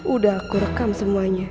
udah aku rekam semuanya